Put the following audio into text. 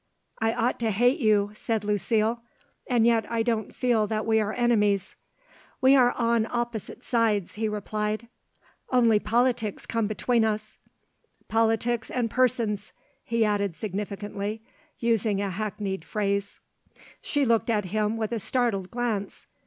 "I ought to hate you," said Lucile; "and yet I don't feel that we are enemies." "We are on opposite sides," he replied. "Only politics come between us." "Politics and persons," he added significantly, using a hackneyed phrase. She looked at him with a startled glance.